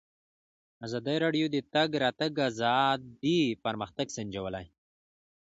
ازادي راډیو د د تګ راتګ ازادي پرمختګ سنجولی.